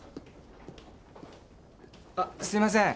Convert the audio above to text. あっすいません。